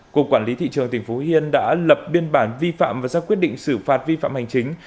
cục quản lý thị trường tỉnh phú yên đã lập biên bản vi phạm và ra quyết định xử phạt vi phạm hành chính